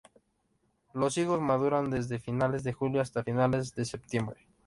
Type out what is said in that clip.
Los higos maduran desde finales de julio hasta finales de septiembre.